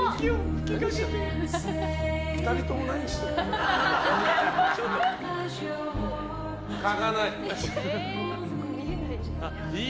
２人とも何してるの？かがない。